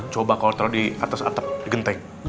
coba kalau ditaruh di atas atap di genteng